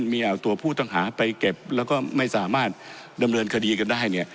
มีเอาตัวผู้ต้องหาไปเก็บแล้วก็ไม่สามารถดำเนินคดีกันได้